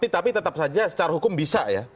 tapi tetap saja secara hukum bisa ya